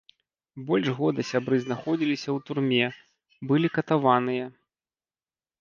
Больш года сябры знаходзіліся ў турме, былі катаваныя.